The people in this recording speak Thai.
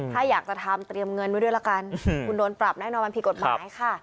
ถ้าอยากจะทำเตรียมเงินไว้ด้วยละกันคุณโดนปรับแน่นอนมันผิดกฎหมายค่ะ